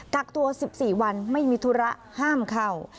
กักตัว๑๔วันไม่มีธุระห้ามเข้า